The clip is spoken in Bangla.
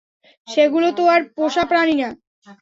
সেগুলো তো আর পোষা প্রাণী না।